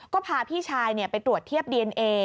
ก็พาพี่ชายไปตรวจเทียบดีเอนเอ